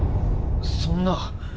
そんな。